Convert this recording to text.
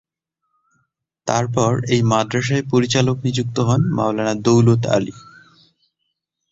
তারপর এই মাদ্রাসার পরিচালক নিযুক্ত হন মাওলানা দৌলত আলী।